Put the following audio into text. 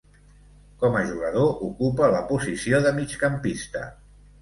Com a jugador ocupa la posició de migcampista.